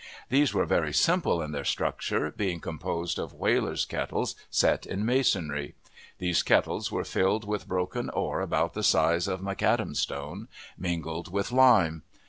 These were very simple in their structure, being composed of whalers' kettles, set in masonry. These kettles were filled with broken ore about the size of McAdam stone, mingled with lime.